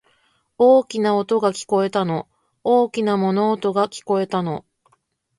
大きな音が、聞こえたの。大きな物音が、聞こえたの。